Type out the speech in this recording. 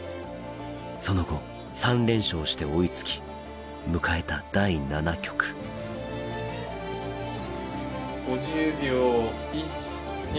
その後３連勝して追いつき迎えた第７局５０秒１２。